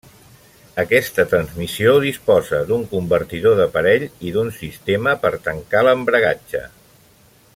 Aquesta transmissió disposa d'un convertidor de parell i d'un sistema per tancar l'embragatge.